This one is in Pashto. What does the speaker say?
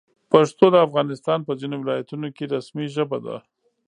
پښتو د افغانستان په ځینو ولایتونو کې رسمي ژبه ده.